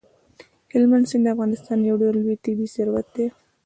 هلمند سیند د افغانستان یو ډېر لوی طبعي ثروت دی.